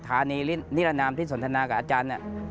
ธานีนิรนามที่สนทนากับอาจารย์